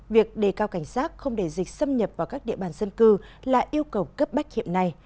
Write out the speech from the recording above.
việc đề cao cảnh sát không để dịch xâm nhập vào các địa bàn dân cư là yêu cầu cấp bách hiệp này